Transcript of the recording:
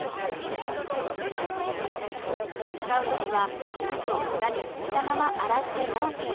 使う時はおむつを下に引いたまま洗ってＯＫ。